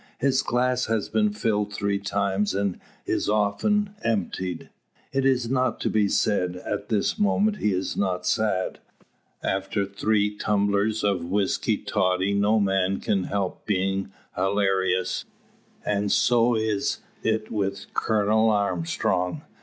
His glass has been filled three times, and is as often emptied. It need not be said, at this moment he is not sad. After three tumblers of whisky toddy no man can help being hilarious; and so is it with Colonel Armstrong.